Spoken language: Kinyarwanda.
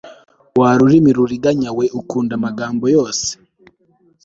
wa rurimi ruriganya we ukunda amagambo yose